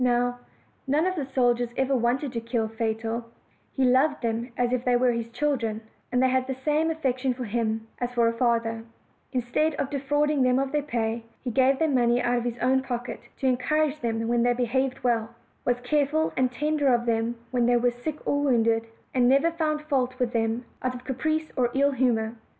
Now, none of the soldiers ever wanted to kill Fatal; he loved them as if they were his children, and they had the same affection for him as for a father: instead of de frauding them of their pay, he gave them money out of his own pocket, to encourage them when they behaved well; was careful and tender of them when they were sick or wounded; and never found fault with them out of caprice or ill humor.